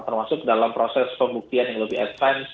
termasuk dalam proses pembuktian yang lebih advance